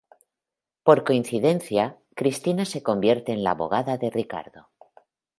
Por coincidencia, Cristina se convierte en la abogada de Ricardo.